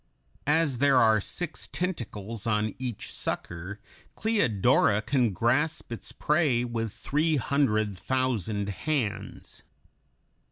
As there are six tentacles on each sucker, Cleodora can grasp its prey with three hundred thousand hands.